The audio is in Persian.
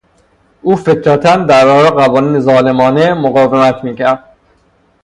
او فطرتا در برابر قوانین ظالمانه مقاومت میکرد.